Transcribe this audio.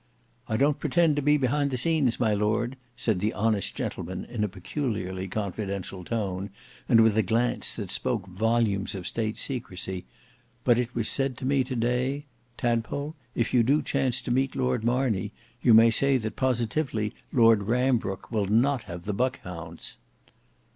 "I don't pretend to be behind the scenes, my Lord," said the honest gentleman in a peculiarly confidential tone, and with a glance that spoke volumes of state secrecy; "but it was said to me to day, 'Tadpole, if you do chance to meet Lord Marney, you may say that positively Lord Rambrooke will not have the Buck hounds.